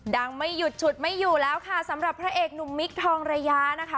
ไม่หยุดฉุดไม่อยู่แล้วค่ะสำหรับพระเอกหนุ่มมิคทองระยะนะคะ